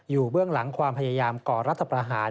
เบื้องหลังความพยายามก่อรัฐประหาร